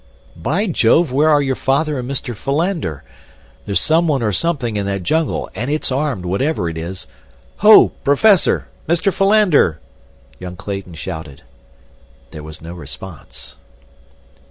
"By jove, where are your father and Mr. Philander? There's someone or something in that jungle, and it's armed, whatever it is. Ho! Professor! Mr. Philander!" young Clayton shouted. There was no response.